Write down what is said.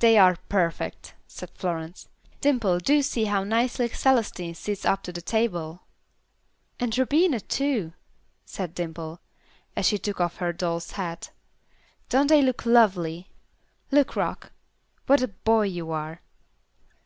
"They are perfect," said Florence. "Dimple, do see how nicely Celestine sits up to the table." "And Rubina, too," said Dimple, as she took off her doll's hat. "Don't they look lovely? Look, Rock. What a boy you are."